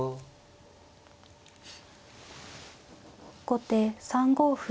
後手３五歩。